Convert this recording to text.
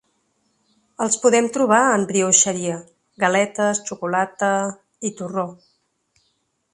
Els podem trobar en brioixeria, galetes, xocolata i torró.